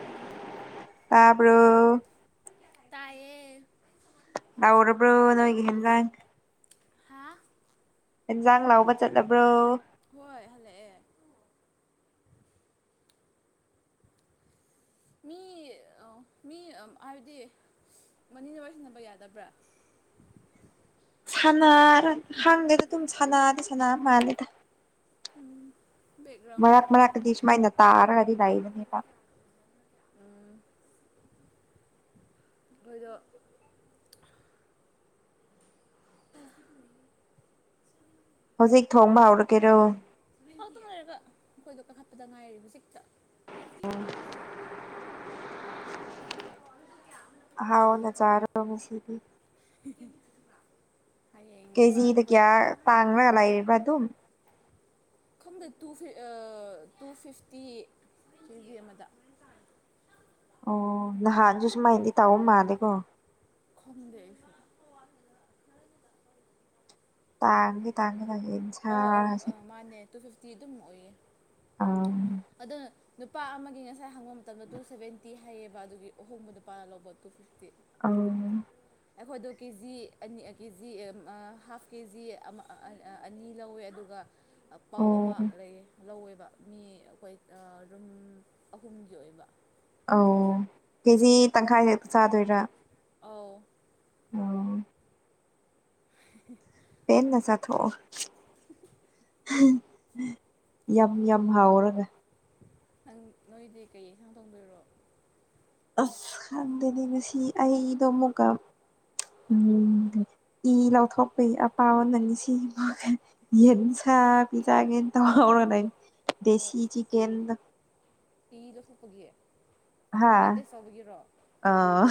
ꯎꯝ ꯇꯄ꯭ꯔꯣ ꯇꯥꯏꯌꯦ ꯂꯎꯔꯕ꯭ꯔꯣ ꯅꯣꯏꯒꯤꯍꯦꯟꯖꯥꯡ ꯍꯥ ꯏꯟꯖꯥꯡ ꯂꯥꯎꯕ ꯆꯠꯂꯕ꯭ꯔꯣ ꯍꯣꯏ ꯍꯜꯂꯛꯑꯦ [inaudible] ꯑꯩ ꯃꯤ ꯍꯥꯏꯕꯗꯤ ꯃꯅꯤꯅꯁꯤꯟꯅꯕ ꯌꯥꯗꯕ꯭ꯔꯥ ꯍꯥꯡꯗꯦꯗ ꯑꯗꯨꯝ ꯁꯅꯥꯗꯤ ꯁꯅꯥ ꯃꯥꯜꯂꯦꯗ ꯎꯝ ꯃꯂꯛ ꯃꯂ ꯀ ꯁꯃ ꯏꯅ ꯇꯥꯔꯒꯔꯤ ꯂꯏꯗꯇ ꯎꯝ ꯑꯩꯈꯣꯏꯗ ꯍꯧꯖꯤꯛ ꯊꯣꯡꯕ ꯍꯧꯔꯛꯀꯦꯔꯣ ꯇ ꯉꯔꯒ ꯃꯈꯣꯏꯗꯣ ꯀꯥꯈꯠꯄꯗ ꯉꯥꯏꯔꯤꯕꯁꯤꯛꯇ ꯑꯣ ꯍꯥꯎ ꯅ ꯆꯥꯔꯣ ꯃꯁꯤꯗꯤ ꯍꯌꯦꯡꯕ ꯀꯦꯖꯤꯗ ꯑꯩꯈꯣꯏ ꯀꯌꯥ ꯇꯥꯡꯅꯒ ꯂꯩꯔꯤꯕ ꯑꯗꯨꯝ ꯈꯪꯗꯦ ꯇꯨ ꯇꯨ ꯐꯤꯐꯇꯤ ꯀꯖꯤ ꯑꯃꯗ ꯑꯣ ꯅꯍꯥꯟꯁꯨ ꯁꯨꯃꯥꯏꯅꯗꯤ ꯇꯥꯑꯣ ꯃꯥꯜꯂꯦꯀꯣ ꯈꯝꯗꯦ ꯇꯥꯡꯗꯤꯦ ꯇꯥꯡꯒꯦ ꯇꯥꯡꯁꯤ ꯑꯧ ꯑꯧ ꯏꯟꯁꯥꯁꯤ ꯑꯥ ꯃꯥꯅꯦ ꯇꯨ ꯐꯤꯐꯇꯤ ꯑꯗꯨꯝ ꯑꯣꯏꯌꯦ ꯑꯥ ꯑꯗꯨꯅ ꯅꯨꯄꯥ ꯑꯃꯒꯤ ꯉꯁꯥꯏ ꯍꯪꯕ ꯃꯇꯝꯗ ꯇꯨ ꯁꯚꯦꯟꯇꯤ ꯍꯥꯏꯌꯦꯕ ꯑꯗꯨꯒꯤ ꯑꯍꯣꯡꯕ ꯅꯨꯄꯥꯅ ꯂꯧꯕ ꯇꯨ ꯐꯤꯐꯇꯤ ꯑꯧ ꯑꯩꯈꯣꯏꯗꯣ ꯀꯦ ꯖꯤ ꯑꯅꯤ K G half K G ꯑꯃ ꯑꯅꯤ ꯂꯧꯋꯦ ꯑꯗꯨꯒ ꯄꯥꯎ ꯑꯧ ꯑꯃ ꯂꯩꯌꯦ ꯂꯧꯋꯦꯕ ꯃꯤ ꯑꯩꯈꯣꯏ ꯔꯨꯝ ꯑꯍꯨꯝꯒꯤ ꯑꯣꯏꯕ ꯑꯧ ꯀꯦꯖꯤ ꯇꯪꯈꯥꯏ ꯍꯛꯇ ꯆꯥꯗꯣꯏꯔꯥ ꯑꯧ ꯑꯣ [unintelligible] ꯄꯦꯟꯅ ꯆꯥꯊꯣꯛꯑꯣ ꯌꯥꯝ ꯌꯥꯝ ꯍꯥꯎꯔꯒ ꯅꯪ ꯅꯣꯏꯗꯤ ꯀꯩ ꯌꯦꯟꯁꯥꯡ ꯊꯣꯡꯗꯣꯏꯔꯣ ꯑꯁ ꯈꯪꯗꯦꯅꯦ ꯉꯁꯤ ꯑꯩꯗꯣ ꯑꯃꯨꯛꯀ ꯎꯝ ꯏ ꯂꯧꯊꯣꯛꯄꯩ ꯑꯄꯥꯝꯕ ꯅꯪ ꯁꯤ ꯃꯥꯈꯩ ꯌꯦꯟꯁꯩ ꯑ ꯄꯤꯖꯒꯦ ꯇꯧꯔ ꯂꯩ ꯑꯣ ꯗꯁꯤ ꯆꯤꯀꯦꯟꯗꯣ ꯏ ꯂꯧꯊꯣꯛꯄꯒꯤ ꯕ꯭ꯂꯠ ꯍꯥ ꯇꯦꯁ ꯇꯧꯕꯒꯤꯔꯣ ꯑꯥ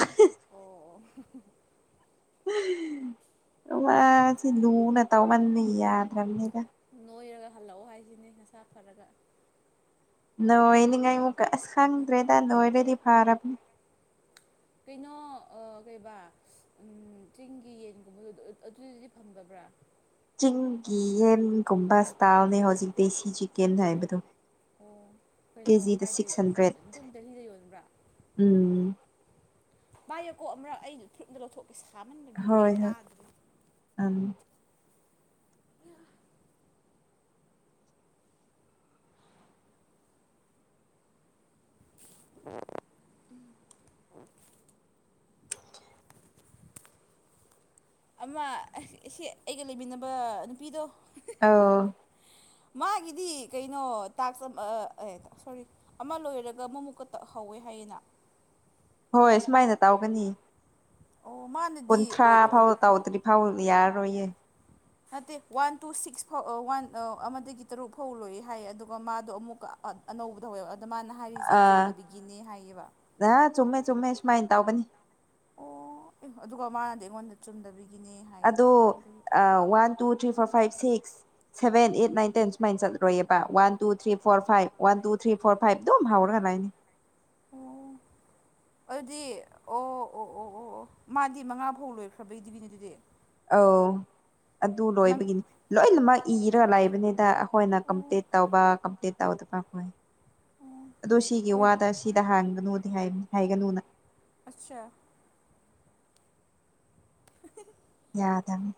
ꯃꯥꯁꯤ ꯂꯨꯅ ꯇꯧꯃꯥꯟꯗꯅ ꯌꯥꯗ꯭ꯔꯥꯅꯤꯝ ꯅꯣꯏꯔꯒ ꯍꯜꯂꯛꯑꯣ ꯍꯥꯏꯁꯤꯅꯦ ꯅꯁꯥ ꯐꯔꯒ ꯅꯣꯏꯅꯤꯉꯥꯏꯃꯨꯛꯀ ꯑꯁ ꯈꯪꯗ꯭ꯔꯦꯗ ꯅꯣꯏꯔꯗꯤ ꯐꯥꯔꯕꯅꯦ ꯀꯩꯅꯣ ꯑ ꯀꯩꯕꯥ ꯎꯝ ꯆꯤꯡꯒꯤ ꯌꯦꯟꯒꯨꯝꯕꯗꯨ ꯑꯗꯨꯗꯗꯤ ꯐꯪꯗꯕ꯭ꯔꯥ ꯆꯤꯡꯒꯤ ꯌꯦꯟꯒꯨꯝꯕ ꯏꯁꯇꯥꯜꯅꯦ ꯍꯧꯖꯤꯛ ꯗꯦꯁꯤ ꯆꯤꯛꯀꯟ ꯍꯥꯏꯕꯗꯣ ꯑꯣ ꯀꯩꯅꯣ ꯀꯦꯖꯤꯗ ꯀꯥꯏꯗꯩ ꯁꯤꯛꯁ ꯍꯥꯏꯕ ꯍꯟꯗ꯭ꯔꯦꯠ ꯑꯗꯨꯝ ꯗꯦꯜꯗ ꯌꯣꯟꯕ꯭ꯔꯥ ꯎꯝ ꯄꯥꯏꯌꯨꯀꯣ ꯑꯃꯨꯔꯛ ꯑꯩ ꯐꯨꯔꯨꯞꯅ ꯂꯧꯊꯣꯛꯀꯦ ꯁꯥꯃꯟꯕꯒꯤ ꯑꯩ ꯍꯣꯏ ꯍꯣꯏ ꯇꯥꯗ꯭ꯔꯦ ꯎꯝ ꯎꯝ ꯑꯃ ꯑꯁꯤ ꯑꯁꯤ ꯑꯩꯒ ꯂꯩꯃꯤꯟꯅꯕ ꯅꯨꯄꯤꯗꯣ ꯑꯧ ꯃꯥꯒꯤꯗꯤ ꯀꯩꯅꯣ ꯇꯥꯛꯁ ꯑ ꯑ ꯑꯦ ꯁꯣꯔꯤ ꯑꯃ ꯂꯁꯣꯔꯤ ꯑꯃ ꯂꯣꯏꯔꯒ ꯑꯃ ꯑꯃꯨꯛꯀ ꯇ ꯍꯧ ꯍꯧꯋꯦ ꯍꯥꯏꯌꯦꯅ [inaudible] ꯍꯣꯏ ꯁꯨꯃꯥꯏꯅ ꯇꯧꯒꯅꯤ ꯑꯣ ꯃꯥꯅꯗꯤ ꯀꯨꯟꯊ꯭ꯔꯥ ꯑꯣꯏ ꯐꯥꯎ ꯇꯧꯗ꯭ꯔꯤ ꯐꯥꯎ ꯌꯥꯔꯣꯏꯌꯦ ꯅꯠꯇꯦ ꯋꯥꯟ ꯇꯨ ꯁꯤꯛꯁ ꯐꯥꯎ ꯋꯥꯟ ꯑꯃꯗꯒꯤ ꯇꯔꯨꯛ ꯐꯥꯎ ꯂꯣꯏꯌꯦ ꯍꯥꯏꯌꯦ ꯑꯗꯨꯒ ꯃꯥꯗꯣ ꯑꯃꯨꯛꯀ ꯑꯅꯧꯕꯗ ꯍꯧꯔ ꯑꯗꯣ ꯃꯥꯅ ꯍꯥꯏꯔꯤꯁꯦ ꯆꯨꯝꯗꯕꯤꯒꯤꯅꯦ ꯍꯥꯏꯌꯦꯕ ꯑ ꯆꯨꯝꯃꯦ ꯆꯨꯝꯃꯦ ꯁꯨꯃꯥꯏꯅ ꯇꯧꯕꯅꯤ ꯑꯣ ꯑꯗꯨꯒ ꯃꯥꯅꯗꯤ ꯑꯩꯉꯣꯟꯗ ꯆꯨꯝꯗꯕꯤꯒ ꯑꯗꯣ one two three four five six seven eight nine ten ꯁꯨꯃꯥꯏꯅ ꯆꯠꯂꯔꯣꯏꯑꯦꯕ one two three four five one two three four five ꯑꯗꯨꯝ ꯍꯧꯔꯒ ꯥꯃꯥꯏꯅꯤ ꯑꯣ ꯑꯗꯨꯗꯤ ꯑꯣ ꯑꯣ ꯑꯣ ꯑꯣ ꯑꯣ ꯃꯥꯗꯤ ꯃꯉꯥ ꯐꯧ ꯂꯣꯏꯈ꯭ꯔꯕꯩꯗꯨꯒꯤꯅꯤ ꯑꯗꯨꯗꯤ ꯑꯧ ꯑꯗꯨ ꯅꯪ ꯂꯣꯏꯕꯒꯤꯅꯤ ꯂꯣꯏꯅꯃꯛ ꯏꯔ ꯂꯩꯕꯅꯤꯗ ꯑꯩꯈꯣꯏꯅ ꯑꯣ ꯑꯣ ꯀꯝꯄ꯭ꯂꯤꯠ ꯇꯧꯕ ꯀꯝꯄ꯭ꯂꯤꯠ ꯇꯧꯗꯕ ꯈꯣꯏ ꯑꯩꯈꯣꯏ ꯑꯗꯣ ꯁꯤꯒꯤ ꯋꯥꯗ ꯁꯤꯗ ꯍꯥꯟꯒꯅꯨꯗꯤ ꯍꯥꯏꯒꯅꯨꯅ ꯑꯆꯥ ꯌꯥꯗꯝꯅꯤ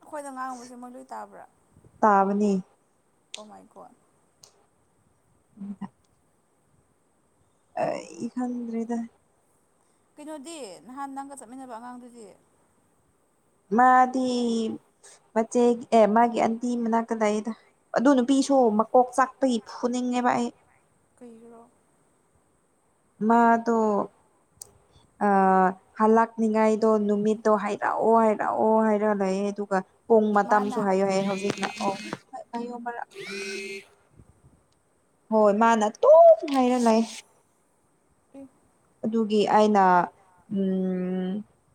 ꯑꯩꯈꯣꯏꯅ ꯉꯥꯡꯕꯁꯦ ꯃꯣꯏ ꯂꯣꯏ ꯇꯥꯕ꯭ꯔꯥ ꯇꯥꯕꯅꯤ ꯇꯥꯕꯅꯦ ꯑꯣꯃꯥꯏꯒꯣꯠ ꯎꯝ ꯑꯩ ꯈꯪꯗ꯭꯭ꯔꯦꯗ ꯀꯩꯅꯣꯗꯤ ꯅꯍꯥꯟ ꯅꯪꯒ ꯆꯠꯃꯤꯟꯅꯕ ꯑꯉꯥꯡꯗꯨꯗꯤ ꯃꯥꯗꯤ ꯃꯆꯦ ꯑꯦ ꯃꯥꯒꯤ ꯑꯟꯇꯤ ꯃꯅꯥꯛꯇ ꯂꯥꯛꯏꯗ ꯑꯗꯨ ꯅꯨꯄꯤ ꯁꯨ ꯃꯀꯣꯛ ꯆꯥꯛꯄꯒꯤ ꯐꯨꯅꯤꯡꯉꯦꯕ ꯑꯩ ꯀꯩꯒꯤꯔꯣ ꯃꯥꯗꯣ ꯑ ꯍꯂꯛꯅꯤꯉꯥꯏꯗꯣ ꯅꯨꯃꯤꯠꯇꯣ ꯍꯥꯏꯔꯛꯑꯣ ꯍꯥꯏꯔꯛꯑꯣ ꯍꯥꯏꯔ ꯂꯩꯌꯦ ꯑꯗꯨꯒ ꯄꯣꯡ ꯃꯇꯝꯁꯨ ꯃꯥꯅ ꯍꯥꯏꯌꯨ ꯍꯥꯏ ꯍꯧꯖꯤꯛꯅ ꯑꯣ ꯄꯥꯏꯌꯣ ꯑꯃꯨꯔꯛ ꯍꯣꯏ ꯃꯥꯅ ꯇꯨꯝ ꯍꯥꯏꯔ ꯂꯩ ꯏ ꯑꯗꯨꯒꯤ ꯑꯩꯅ ꯎꯝ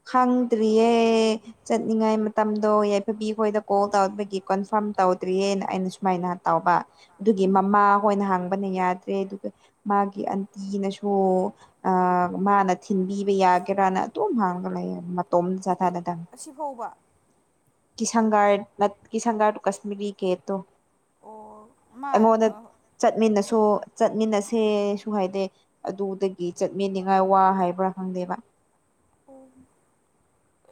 ꯈꯪꯗ꯭ꯔꯤꯌꯦ ꯆꯠꯅꯤꯡꯉꯥꯏ ꯃꯇꯝꯗꯣ ꯌꯥꯏꯐꯕꯤ ꯑꯩꯈꯣꯏꯗ ꯀꯣꯜ ꯇꯧꯕꯒꯤ ꯀꯣꯟꯐꯥꯔꯝ ꯇꯧꯗ꯭ꯔꯤꯌꯦꯅ ꯑꯩꯅ ꯁꯨꯃꯥꯏꯅ ꯇꯧꯕ ꯑꯗꯨꯒꯤ ꯎꯝ ꯃꯃꯥ ꯍꯣꯏꯅ ꯍꯥꯡꯕꯅ ꯌꯥꯗ꯭ꯔꯦ ꯑꯗꯨꯒ ꯃꯥꯒꯤ ꯑꯟꯇꯤꯅꯁꯨ ꯃꯥꯅ ꯊꯤꯟꯕꯤꯕ ꯌꯥꯒꯦꯔꯅ ꯑꯗꯨꯇꯣꯝ ꯍꯥꯡꯉꯒ ꯂꯩ ꯃꯇꯣꯝ ꯑꯁꯤꯐꯥꯎꯕ ꯀꯤꯁꯟꯒꯥ ꯀꯤꯁꯪꯒꯥꯥꯔ ꯀꯁꯃꯤꯔꯤ ꯀꯦꯇꯣ ꯑꯣ ꯃꯥ ꯑꯩꯉꯣꯟꯗ ꯑꯣ ꯆꯠꯃꯤꯟꯅꯁꯨ ꯆꯠꯃꯤꯟꯅꯁꯤ ꯁꯦꯁꯨ ꯍꯥꯏꯗꯦ ꯑꯗꯨꯗꯒꯤ ꯆꯠꯃꯤꯅꯤꯉꯥꯏ ꯋꯥ ꯍꯥꯏꯕ꯭ꯔꯥ ꯈꯪꯗꯦꯕ ꯑꯣ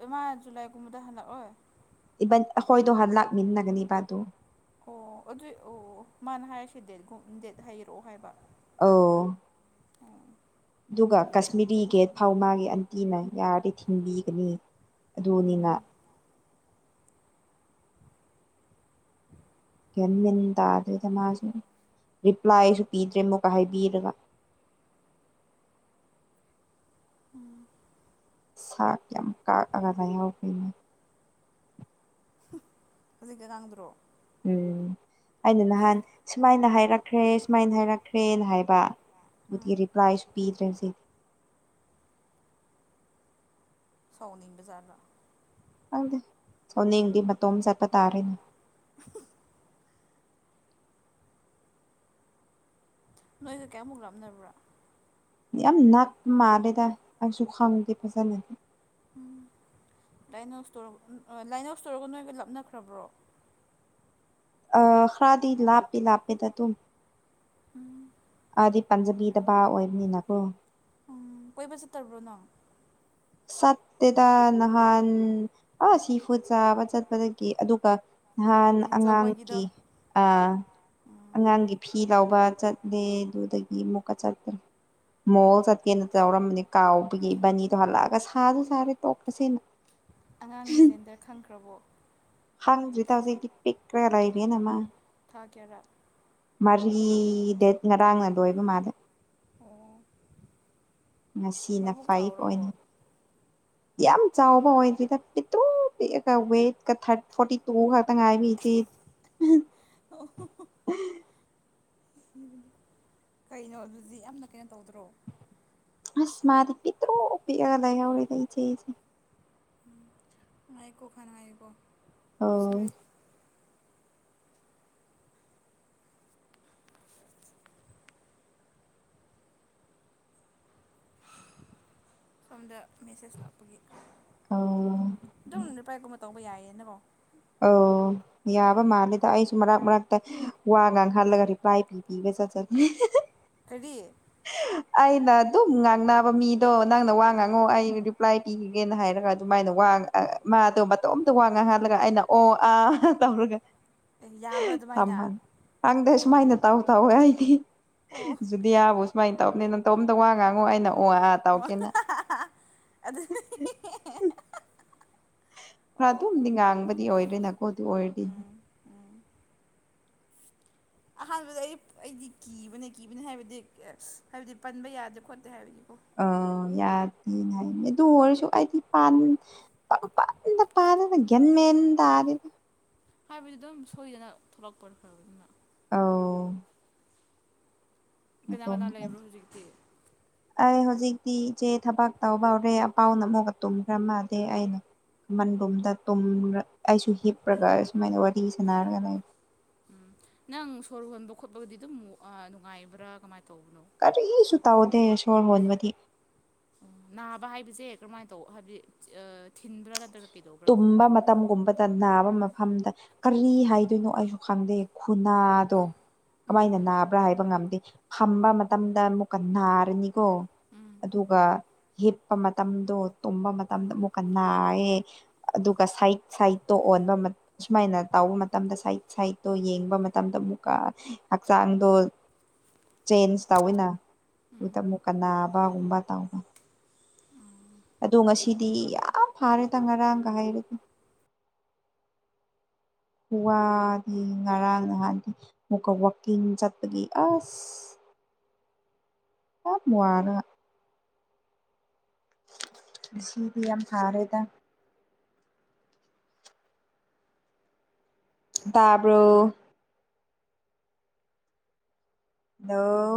ꯑ ꯃꯥ ꯖꯂꯥꯏꯒꯨꯝ ꯃꯗꯥ ꯍꯂ ꯑꯣꯏ ꯑꯩꯈꯣꯏꯗꯣ ꯂꯥꯛꯃꯤꯟꯅꯒꯅꯤꯕꯗꯥꯪ ꯑꯗꯨꯝ ꯑꯣ ꯑꯗꯨꯏ ꯑꯣ ꯃꯥꯅ ꯍꯥꯏꯔꯁꯦ ꯗꯦꯠꯒꯨꯝ ꯗꯦꯠ ꯍꯩꯔꯛꯑꯣ ꯍꯥꯏꯕ ꯑꯧ ꯑꯗꯨꯒ ꯀꯥꯁꯃꯤꯔꯤ ꯒꯦꯠ ꯐꯥꯎ ꯃꯥꯒꯤ ꯑꯟꯇꯤꯅ ꯌꯥꯔꯗꯤ ꯊꯤꯟꯕꯤꯒꯅꯤ ꯑꯗꯨꯅꯤ ꯃꯥ ꯎꯝ ꯀ ꯏꯟ ꯇꯥꯗ꯭ꯔꯔꯤꯗ ꯃꯥꯁꯨ ꯔꯤꯄ꯭ꯂꯥꯏꯁꯨ ꯄꯤꯗ꯭ꯔꯦ ꯑꯃꯨꯛꯀ ꯍꯥꯏꯕꯤꯔꯒ ꯎꯝ ꯁꯥ ꯀ ꯌꯥꯝ ꯀꯥꯒꯗ ꯌꯥꯎꯒꯅꯦ ꯑꯗꯨꯖꯤ ꯀꯦ ꯀꯥꯡꯗꯔꯣ ꯎꯝ ꯑꯩꯅ ꯅꯍꯥꯟ ꯁꯨꯃꯥꯏꯅ ꯍꯥꯏꯔꯛꯈ꯭ꯔꯦ ꯁꯨꯃꯥꯏꯅ ꯍꯥꯏꯔꯛꯈ꯭ꯔꯦꯅ ꯍꯥꯏꯕ ꯎꯝ ꯊꯦꯔꯤ ꯄ꯭ꯔꯏꯁ ꯄꯤꯗ꯭ꯔꯦꯁꯤ ꯁꯥꯎꯅꯤꯡꯕ ꯖꯥꯔꯗ ꯈꯪꯗꯦ ꯁꯣꯅꯤꯡꯗꯤ ꯃꯇꯣꯝ ꯆꯠꯄ ꯇꯥꯔꯦꯅꯦ [unintelligible] ꯅꯣꯏꯒ ꯀꯌꯥꯃꯨꯛ ꯂꯥꯞꯕ꯭ꯔꯥ ꯌꯥꯝ ꯅꯥꯛ ꯃꯥꯗꯦꯗ ꯑꯁꯨꯨ ꯈꯪꯗꯕꯖꯅꯗ ꯂꯥꯏꯟ ꯑꯥꯎ ꯏꯁꯇꯣꯔ ꯂꯥꯏꯟ ꯑꯥꯎ ꯏꯁꯇꯣꯔꯒ ꯅꯣꯏꯒ ꯂꯥꯞꯅꯈ꯭ꯔꯕ꯭ꯔꯣ ꯑ ꯈꯥꯗꯤ ꯂꯥꯄ ꯂꯥꯄꯦꯗ ꯑꯗꯨ ꯑꯗꯤ ꯄꯟꯖꯕꯤꯗꯕ ꯑꯣꯏꯕꯅꯤꯅꯀꯣ ꯎꯝ ꯀꯣꯏꯕ ꯆꯠꯇꯕ꯭ꯔꯣꯅꯣ ꯁꯠꯇꯦꯗ ꯅꯍꯥꯟ ꯑꯥ ꯁꯤꯐꯨ ꯆꯥꯕ ꯆꯠꯄꯗꯒꯤ ꯑꯗꯨꯒ ꯅꯍꯥꯟ ꯂꯤꯟꯖꯧ ꯑꯉꯥꯡꯒꯤ ꯈꯣꯏꯒꯤꯗꯣ ꯎꯝ ꯑꯉꯥꯡꯒꯤ ꯐꯤ ꯂꯧꯕ ꯆꯠ ꯗꯦ ꯑꯗꯨꯗꯨꯗꯗꯒꯤ ꯃꯨꯀ ꯆꯠꯠꯇ꯭ꯔ ꯃꯣꯜ ꯆꯠꯀꯦꯅ ꯇꯧꯔꯝꯕꯅꯦ ꯀꯥꯎꯕꯒꯤ ꯕꯥꯅꯤꯗꯣ ꯍꯜꯂꯛꯑꯒ ꯁꯥꯁꯨ ꯁꯥꯔꯦ ꯇꯣꯛꯈ꯭ꯔꯁꯦꯅ ꯑꯉꯥꯡꯒꯤ ꯖꯦꯟꯗꯔ ꯈꯪꯈ꯭ꯔꯕꯣ ꯍꯪꯁꯨ ꯇꯥꯎꯖꯤꯦꯒꯤꯠ ꯄꯤꯛ ꯀ꯭ꯔ ꯂ ꯂꯩꯕꯤ ꯅꯃꯥ ꯊꯥ ꯀꯌꯥꯔꯥ ꯃꯔꯤ ꯗꯦꯠ ꯉꯔꯥꯡꯅ ꯂꯣꯏꯕ ꯃꯥꯗ ꯑꯣ ꯉꯁꯤꯅ ꯃꯕꯨꯛ ꯐꯥꯏꯚ ꯑꯣꯏꯅ ꯆꯥꯎꯔꯕꯣ ꯌꯥꯝ ꯆꯥꯎꯕ ꯑꯣꯏꯗ꯭ꯔꯤꯗ ꯄꯤꯨ ꯄ ꯋꯦꯠꯀ ꯊꯥꯔ ꯐꯣꯔꯇꯤ ꯇꯨ ꯇꯉꯥꯏꯕꯤ ꯆꯦ ꯀꯩꯅꯣ ꯑꯗꯨꯗꯤ ꯌꯥꯝꯅ ꯀꯩꯅꯣ ꯇꯧꯗ꯭ꯔꯣ ꯑꯁ ꯃꯥꯔꯤ ꯄꯤꯇ꯭ꯔꯨ ꯄꯤꯔ ꯂꯩ ꯍꯧꯔ ꯉꯏꯀꯣ ꯈꯅ ꯍꯥꯏꯏꯀꯣ ꯑꯣ ꯁꯣꯝꯗ ꯃꯦꯁꯦ ꯂꯒꯤ ꯑꯧ ꯏ ꯅꯨꯄꯥ ꯀꯨꯝ ꯇꯧꯕ ꯌꯥꯏꯌꯦ ꯅꯕꯣ ꯑ ꯌꯥꯕ ꯃꯥꯂꯦꯗ ꯑꯩꯁꯨ ꯃꯔꯛ ꯃꯔꯛꯇ ꯋꯥ ꯉꯥꯡꯍꯜꯂꯒ ꯔꯤꯄ꯭ꯂꯥꯏ ꯄꯤꯕꯤꯕ ꯆꯠ ꯆꯠ ꯍꯤ ꯍꯤ ꯀꯔꯤ ꯍꯤ ꯑꯩꯅ ꯑꯗꯨꯝ ꯉꯥꯡꯅꯕ ꯃꯤꯗꯣ ꯅꯪꯅ ꯋꯥ ꯎꯝ ꯉꯥꯡꯉꯣ ꯑꯩ ꯔꯤꯄ꯭ꯂꯥꯏ ꯄꯤꯈꯤꯒꯦꯅ ꯍꯥꯏꯔꯒ ꯑꯗꯨꯃꯥꯏꯅ ꯋꯥ ꯃꯥꯗꯣ ꯃꯇꯣꯝꯇ ꯋꯥꯡ ꯉꯥꯡꯍꯜꯂꯒ ꯑꯩꯅ ꯑꯣ ꯑꯥ ꯇꯧꯔꯒ ꯑꯦ ꯌꯥꯕ꯭ꯔꯥ ꯑꯗꯨꯃꯥꯏꯅ ꯊꯝꯃꯅꯤ ꯈꯪꯗꯦ ꯁꯨꯃꯥꯏꯅ ꯇꯥꯎ ꯇꯧꯋꯦ ꯑꯩꯗꯤ ꯑꯣ ꯨꯖꯨꯂꯤꯌꯥꯕꯨ ꯁꯨꯃꯥꯏꯅ ꯇꯧꯕꯅꯦ ꯅꯇꯣꯝꯇ ꯋꯥ ꯉꯥꯡꯉꯣ ꯑꯩꯅ ꯑꯣ ꯑ ꯑꯣ ꯇꯧꯀꯦꯅ ꯑꯗꯨ ꯑꯣ ꯑꯗꯨꯝꯗꯤ ꯉꯥꯡꯕꯗꯤ ꯑꯣꯏꯗ꯭ꯔꯦ ꯅꯥꯀꯣꯗꯤ ꯑꯣꯏꯔꯗꯤ ꯎꯝ ꯎꯝ ꯑꯍꯥꯟꯕꯗ ꯑꯩ ꯑꯩꯗꯤ ꯀꯤꯕꯅꯦ ꯀꯤꯕꯅꯦ ꯍꯥꯏꯕꯗꯤ ꯍꯥꯏꯕꯗꯤ ꯄꯟꯕ ꯌꯥꯗꯦ ꯈꯣꯠꯇꯦ ꯍꯥꯏꯕꯒꯤ ꯑ ꯌꯥꯗꯤ ꯍꯥꯏꯃꯅꯦ ꯑꯗꯨ ꯑꯣꯏꯔꯁꯨ ꯑꯩꯗꯤ ꯄꯥꯜꯂꯤ ꯄꯪꯄꯥꯟꯗ ꯄꯥꯟ ꯇꯗꯇꯗ ꯒ꯭ꯌꯥꯟꯃꯦꯟ ꯇꯥꯗꯦ ꯍꯥꯏꯕꯗꯤ ꯑꯗꯨꯝ ꯁꯣꯏꯗꯅ ꯊꯣꯛꯂꯛꯄ ꯈ꯭ꯔꯕ ꯑꯗꯨꯝꯅ ꯑꯧ ꯀꯅꯥ ꯀꯅꯥ ꯂꯩꯕ꯭ꯔꯣ ꯃꯇꯣꯝꯇꯗꯤ ꯍꯧꯖꯤꯛꯇꯤ ꯑꯩ ꯍꯧꯖꯤꯛꯇꯤ ꯏꯆꯦ ꯊꯕꯛ ꯇꯧꯕ ꯍꯧꯔꯦ ꯑꯄꯥꯎꯅ ꯑꯃꯨꯛꯒ ꯇꯨꯝꯈ꯭ꯔ ꯃꯥꯥꯜꯂꯦ ꯑꯩꯅ ꯀꯃꯟ ꯔꯨꯝꯗ ꯇꯨꯝꯔꯛ ꯑꯩꯁꯨ ꯍꯤꯞꯔꯒ ꯁꯨꯃꯥꯏꯅ ꯋꯥꯔꯤ ꯁꯥꯟꯅꯔꯒ ꯂꯩ ꯎꯝ ꯅꯪ ꯁꯣꯔ ꯍꯣꯟꯕ ꯈꯣꯠꯄꯒꯗꯤ ꯑꯗꯨꯝ ꯅꯨꯡꯉꯥꯏꯕ꯭ꯔꯥ ꯀꯃꯥꯏꯅ ꯇꯧꯕ ꯀꯔꯤꯁꯨ ꯇꯧꯗꯦ ꯁꯣꯔ ꯍꯣꯟꯕꯗꯤ ꯑꯣ ꯅꯥꯕ ꯍꯥꯏꯕꯁꯦ ꯀꯔꯝꯍꯥꯏꯅ ꯇꯧ ꯍꯥꯏꯕꯗꯤ ꯊꯤꯟꯕ꯭ꯔꯥ ꯅꯠꯇ꯭ꯔꯒ ꯀꯩꯗꯧꯕ꯭ꯔꯕ ꯇꯨꯝꯕ ꯃꯇꯝꯒꯨꯝꯕꯗ ꯅꯥ ꯃꯐꯝꯗ ꯀꯔꯤ ꯍꯥꯏꯗꯣꯏꯅꯣ ꯑꯩꯁꯨ ꯈꯪꯗꯦ ꯈꯨꯅꯥꯗꯣ ꯎꯝ ꯀꯃꯥꯏꯅ ꯅꯥꯕ꯭ꯔꯥ ꯍꯥꯏꯕ ꯉꯝꯗꯦ ꯐꯝꯕ ꯃꯇꯝꯗ ꯑꯃꯨꯛꯀ ꯅꯥꯔꯅꯤ ꯀꯣ ꯎꯝ ꯑꯗꯨꯒ ꯍꯤꯞꯄ ꯃꯇꯝꯗꯣ ꯇꯨꯝꯕ ꯃꯇꯝꯗ ꯑꯃꯨꯛꯀ ꯅꯥꯏꯌꯦ ꯑꯗꯨꯒ ꯁꯥꯏꯠ ꯁꯥꯏꯠꯇꯣ ꯑꯣꯟꯕ ꯃ ꯁꯨꯃꯥꯏꯅ ꯇꯥꯎꯕ ꯃꯇꯝꯗ ꯁꯥꯏꯠ ꯁꯥꯏꯠꯇꯣ ꯌꯦꯡꯕ ꯃꯇꯝꯗ ꯀꯥ ꯍꯛꯆꯥꯡꯗꯣ ꯆꯦꯟꯖ ꯇꯧꯋꯤꯅ ꯑꯗꯨꯗ ꯑꯃꯨꯛꯀ ꯅꯥꯕꯒꯨꯝꯕ ꯇꯧꯕ ꯑꯗꯣ ꯉꯁꯤꯗꯤ ꯌꯥꯝ ꯐꯥꯔꯦ ꯗ ꯉꯔꯥꯡꯒ ꯍꯥꯏꯔꯗꯤ [inaudible] ꯋꯥꯗꯤ ꯉꯔꯥꯡ ꯅꯍꯥꯟꯗꯤ ꯑꯃꯨꯛꯀ ꯋꯥꯛꯀꯤꯡ ꯆꯠꯄꯒꯤ ꯑꯁ ꯑꯥ ꯃꯨꯋꯥꯅ ꯁꯤꯗꯤ ꯌꯥꯝ ꯁꯥꯔꯦꯗ ꯇꯥꯕ꯭ꯔꯣ ꯍꯂꯣ